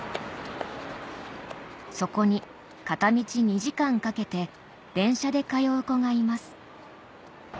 そこに片道２時間かけて電車で通う子がいます